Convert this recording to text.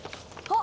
あ！